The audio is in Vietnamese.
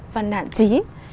phần nản trí